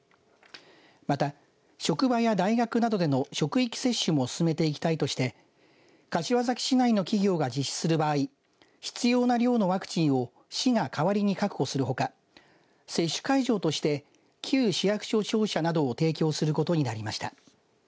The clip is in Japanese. また、職場や大学などでの職域接種も進めていきたいとして柏崎市内の企業が実施する場合、必要な量のワクチンを市が代わりに確保するほか接種会場として旧市役所庁舎などを提供することになりました。